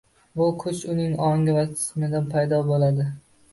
bu kuch uning ongi va jismida paydo bo‘ladi.